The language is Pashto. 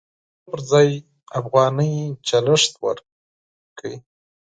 د ډالرو پر ځای افغانۍ چلښت ورکړئ.